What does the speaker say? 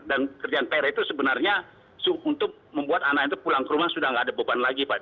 dan kerjaan pr itu sebenarnya untuk membuat anak itu pulang ke rumah sudah gak ada beban lagi pak